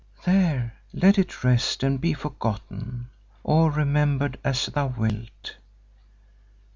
There let it rest and be forgotten—or remembered as thou wilt.